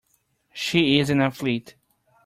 She is an Athlete.